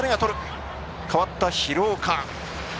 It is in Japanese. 代わった廣岡。